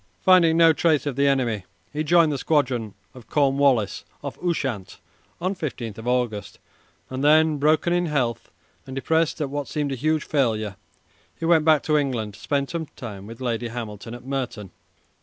Finding no trace of the enemy, he joined the squadron of Cornwallis off Ushant on 15 August, and then, broken in health and depressed at what seemed a huge failure, he went back to England to spend some time with Lady Hamilton at Merton.